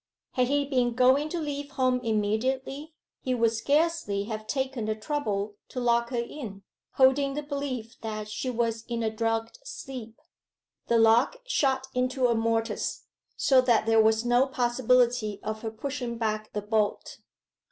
Had he been going to leave home immediately, he would scarcely have taken the trouble to lock her in, holding the belief that she was in a drugged sleep. The lock shot into a mortice, so that there was no possibility of her pushing back the bolt.